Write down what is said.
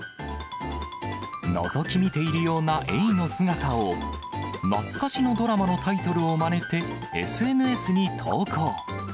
のぞき見ているようなエイの姿を懐かしのドラマのタイトルをまねて、ＳＮＳに投稿。